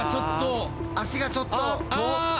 足がちょっと。